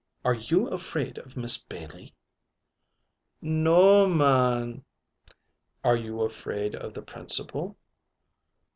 Are you afraid of Miss Bailey?" "N o o oh m a a an." "Are you afraid of the Principal?"